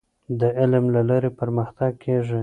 د علم له لارې پرمختګ کیږي.